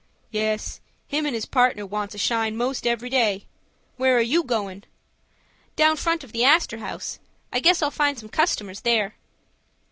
"Yes. Him and his partner wants a shine most every day. Where are you goin'?" "Down front of the Astor House. I guess I'll find some customers there."